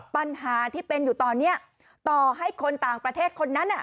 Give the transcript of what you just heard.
ปัญหาที่เป็นอยู่ตอนนี้ต่อให้คนต่างประเทศคนนั้น